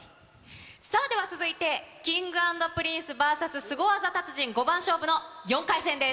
さあ、では続いて、Ｋｉｎｇ＆ＰｒｉｎｃｅＶＳスゴ技達人５番勝負の４回戦です。